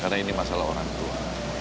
karena ini masalah orang tua